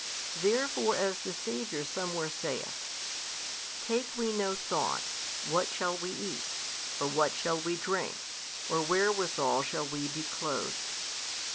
Therefore as the Saviour somewhere saith, Take we no thought, what shall we eat? or, what shall we drink? or, wherewithal shall we be clothed?